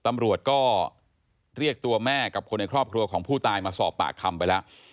ตำรวจก็เรียกตัวแม่กับคนในครอบครัวของผู้ตายมาสอบปากคำไปแล้ว